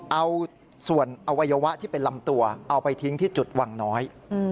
เอาส่วนอวัยวะที่เป็นลำตัวเอาไปทิ้งที่จุดวังน้อย